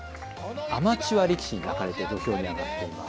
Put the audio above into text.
アマチュア力士に抱かれて土俵に上がっています。